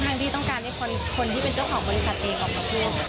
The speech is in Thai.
ที่ต้องการให้คนที่เป็นเจ้าของบริษัทเองออกมาพูด